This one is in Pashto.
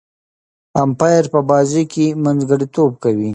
امپایر په بازي کښي منځګړیتوب کوي.